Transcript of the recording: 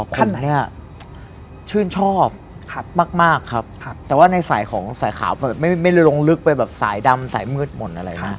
คันนี้ชื่นชอบมากครับแต่ว่าในสายของสายขาวไม่ได้ลงลึกไปแบบสายดำสายมืดหมดอะไรนะ